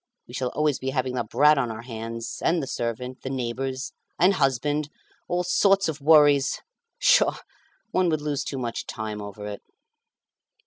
We shall always be having the brat on our hands, and the servant, the neighbours, and husband, all sorts of worries. Pshaw! one would lose too much time over it."